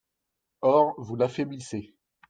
Or, vous l’affaiblissez.